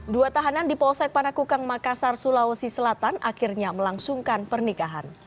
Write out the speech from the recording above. dua tahanan di polsek panakukang makassar sulawesi selatan akhirnya melangsungkan pernikahan